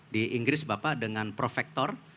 di inggris bapak dengan prof vektor